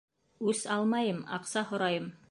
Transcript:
-Үс алмайым, аҡса һорайым.